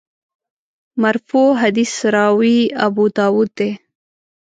مرفوع حدیث راوي ابوداوود دی.